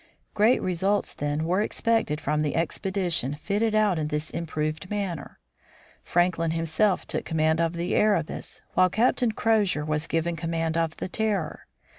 Great results, then, were expected from the expe dition fitted out in this improved manner. Franklin himself took command of the Erebus, while Captain Crozier was given command of the Terror.